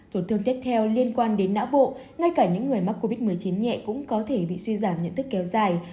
tổn thương tiếp theo liên quan đến não bộ ngay cả những người mắc covid một mươi chín nhẹ cũng có thể bị suy giảm nhận thức kéo dài